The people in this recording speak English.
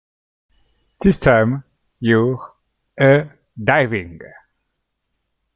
This time, you're a-diving!